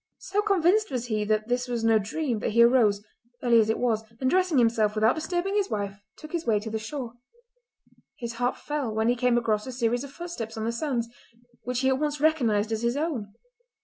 So convinced was he that this was no dream that he arose, early as it was, and dressing himself without disturbing his wife took his way to the shore. His heart fell when he came across a series of footsteps on the sands, which he at once recognised as his own.